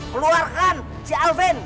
keluarkan si alvin